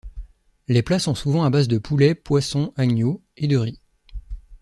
Les plats sont souvent à base de poulet, poisson, agneau et de riz.